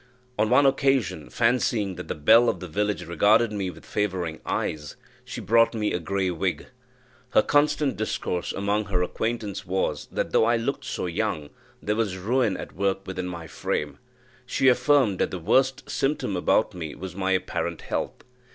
On one occasion, fancying that the belle of the village regarded me with favouring eyes, she brought me a grey wig. Her constant discourse among her acquaintances was, that though I looked so young, there was ruin at work within my frame; and she affirmed that the worst symptom about me was my apparent health.